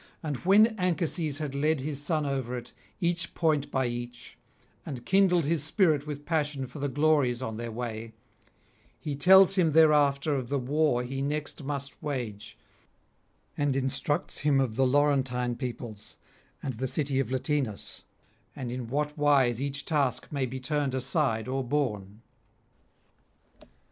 And when Anchises had led his son over it, each point by each, and kindled his spirit with passion for the glories on their way, he tells him thereafter of the war he next must wage, and instructs him of the Laurentine peoples and the city of Latinus, and in what wise each task may be turned aside or borne.